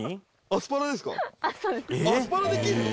アスパラできるの？